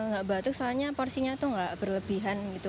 gak batuk soalnya porsinya tuh gak berlebihan gitu